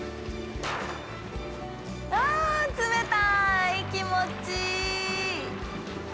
あ冷たい気持ちいい！